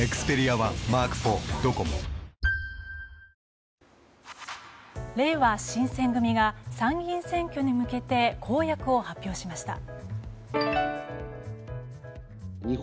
れいわ新選組が参議院選挙に向けて公約を発表しました。